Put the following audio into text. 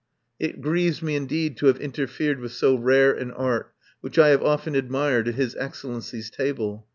"It grieves me indeed to have interfered with so rare an art, which I have often ad mired at His Excellency's table.